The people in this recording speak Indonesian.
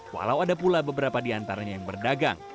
walau ada pula beberapa di antaranya yang berdagang